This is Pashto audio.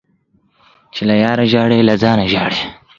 چي له ياره ژاړې ، له ځانه ژاړې.